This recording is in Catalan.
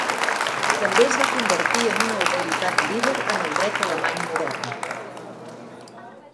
També es va convertir en una autoritat líder en el dret alemany modern.